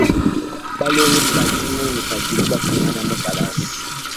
Balongi badi munyi padibo bapingana mu kalasa?